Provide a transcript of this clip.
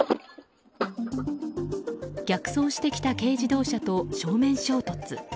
逆走してきた軽自動車と正面衝突。